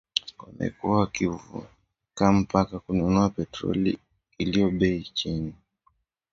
wamekuwa wakivuka mpaka kununua petroli iliyo bei ya chini